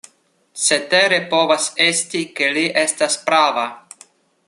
Cetere povas esti, ke li estas prava.